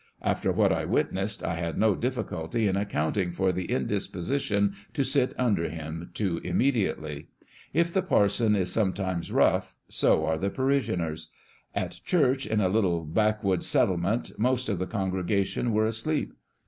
After what I witnessed, I had no difficulty in accounting for the indisposition to sit under him ,.too immediately. If the parson is sometimes rough so are the parish ioners ! At church in a little backwoods settle ment most of the congregation were asleep.